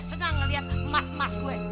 supaya dia senang ngeliat emas emas gue